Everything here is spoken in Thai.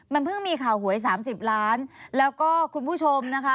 มันเพิ่งมีข่าวหวยสามสิบล้านแล้วก็คุณผู้ชมนะคะ